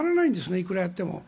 いくらやっても。